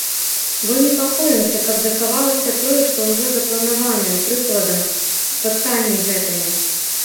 Бо непакоімся, каб захавалася тое, што ўжо запланаванае, прыкладам, спатканні гэтыя.